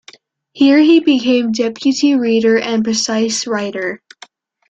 Here he became deputy-reader and precis writer.